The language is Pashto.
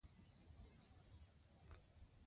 نثر حقایق بیانوي.